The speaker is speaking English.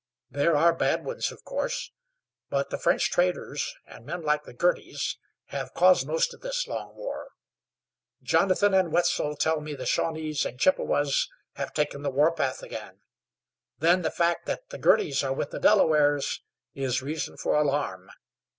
There are bad ones, of course; but the French traders, and men like the Girtys, have caused most of this long war. Jonathan and Wetzel tell me the Shawnees and Chippewas have taken the warpath again. Then the fact that the Girtys are with the Delawares is reason for alarm.